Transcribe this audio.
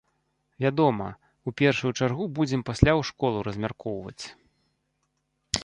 Вядома, у першую чаргу будзем пасля ў школу размяркоўваць.